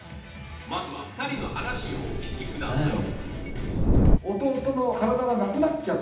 まずは２人の話をお聞きください！